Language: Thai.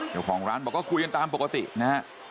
เจ้าของร้านบอกก็คุยกันตามปกตินะฮะ